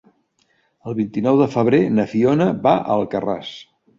El vint-i-nou de febrer na Fiona va a Alcarràs.